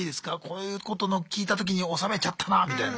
こういうことを聞いた時に納めちゃったなみたいな。